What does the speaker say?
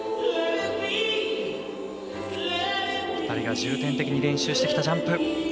２人が重点的に練習してきたジャンプ。